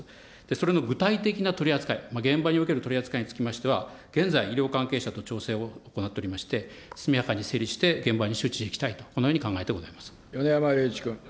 それの具体的な取り扱い、現場における取り扱いにつきましては、現在、医療関係者と調整を行っておりまして、速やかに整理して現場に周知していきたいと、このよ米山隆一君。